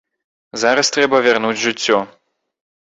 Зараз трэба вярнуць жыццё.